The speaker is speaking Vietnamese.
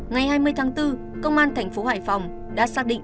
ngày hai mươi tháng bốn công an thành phố hải phòng đã xác định